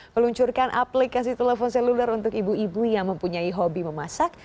meluncurkan aplikasi telepon seluler untuk ibu ibu yang mempunyai hobi memasak